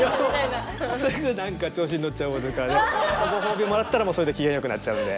ご褒美もらったらもうそれで機嫌がよくなっちゃうんで。